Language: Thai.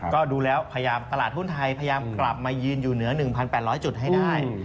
ก็ดูแล้วพยายามตลาดหุ้นไทยพยายามกลับมายืนอยู่เหนือ๑๘๐๐จุดให้ได้